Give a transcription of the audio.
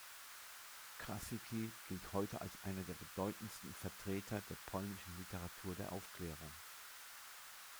Krasicki gilt heute als einer der bedeutendsten Vertreter der polnischen Literatur der Aufklärung.